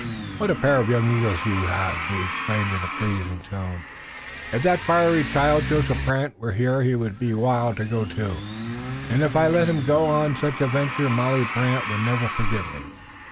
"What a pair of young eagles we have!" he exclaimed in a pleased tone. "And if that fiery child, Joseph Brant, were here he would be wild to go too! And if I let him go on such a venture Molly Brant would never forgive me.